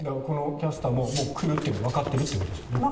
このキャスターも来るというのはわかってるということですね。